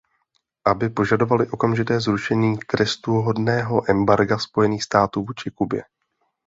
Aby požadovaly okamžité zrušení trestuhodného embarga Spojených států vůči Kubě.